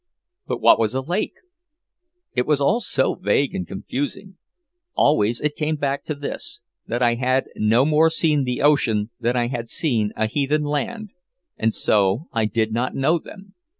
But what was a lake? It was all so vague and confusing. Always it came back to this, that I had no more seen the "ocean" than I had seen a "heathen land," and so I did not know them.